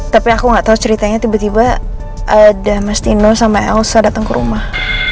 tapi aku gak tau ceritanya tiba tiba ada mas tino sama elsa dateng ke rumah